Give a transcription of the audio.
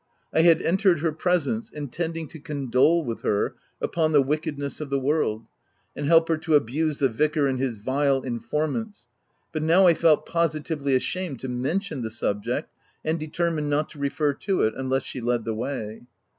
I had entered her presence intending to condole with her upon the wickedness of the world, and help her to abuse the vicar and his vile informants, but now I felt positively ashamed to mention the subject, and determined not to refer to it, unless she led the way.